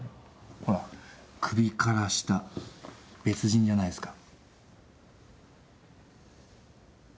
ほら首から下別人じゃないですか？